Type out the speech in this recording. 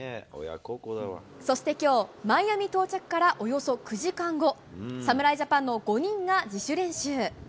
そしてきょう、マイアミ到着からおよそ９時間後、侍ジャパンの５人が自主練習。